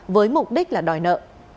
với mục đích là đòi nợ